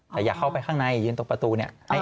แต่อย่าเข้าไปข้างในยืนตรงประตูเนี่ย